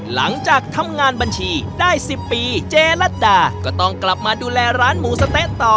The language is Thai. หลังจากทำงานบัญชีได้๑๐ปีเจ๊รัฐดาก็ต้องกลับมาดูแลร้านหมูสะเต๊ะต่อ